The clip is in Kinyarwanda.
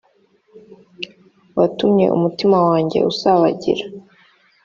watumye umutima wanjye usabagira